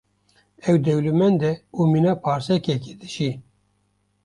Ew dewlemend e û mîna parsekekî dijî.